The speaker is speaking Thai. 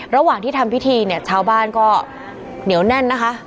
ระหว่างที่ทำพิธีเนี่ยชาวบ้านก็เหนียวแน่นนะคะ